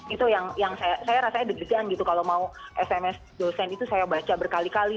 itu yang saya rasanya deg degan gitu kalau mau sms dosen itu saya baca berkali kali